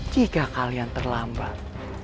jika kalian terlambat